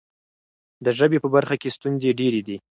د ژبې په برخه کې ستونزې ډېرې دي.